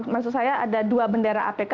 maksud saya ada dua bendera apk